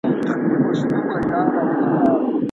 زرین تارونه کرښې کرښې اوبي